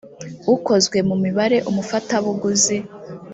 ukozwe mu mibare umufatabuguzi